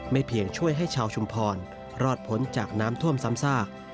เพียงช่วยให้ชาวชุมพรรอดพ้นจากน้ำท่วมซ้ำซาก